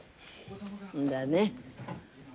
んだね。